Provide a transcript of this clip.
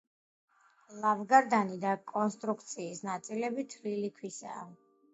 ლავგარდანი და კონსტრუქციის ნაწილები თლილი ქვისაა.